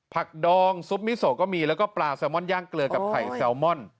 ดองซุปมิโซก็มีแล้วก็ปลาแซลมอนย่างเกลือกับไข่แซลมอน